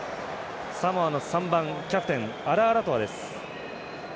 サモアの３番、キャプテンアラアラトアです。